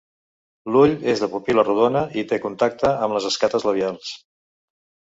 L'ull és de pupil·la rodona i té contacte amb les escates labials.